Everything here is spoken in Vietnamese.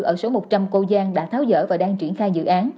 ở số một trăm linh cô giang đã tháo dở và đang triển khai dự án